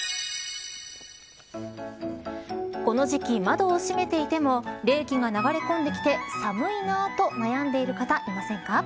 この時季、窓を閉めていても冷気が流れ込んできて寒いなと悩んでいる方いませんか。